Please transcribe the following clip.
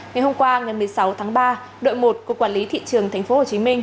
ngày hôm qua ngày một mươi sáu tháng ba đội một của quản lý thị trường tp hcm